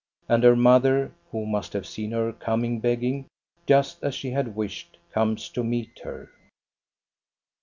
And her mother, who must have seen her coming begging, just as she had wished, comes to meet her.